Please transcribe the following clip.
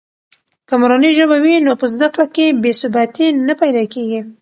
که مورنۍ ژبه وي نو په زده کړه کې بې ثباتي نه پیدا کېږي.